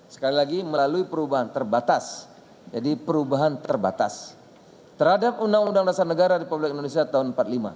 sekali lagi melalui perubahan terbatas jadi perubahan terbatas terhadap undang undang dasar negara republik indonesia tahun seribu sembilan ratus empat puluh lima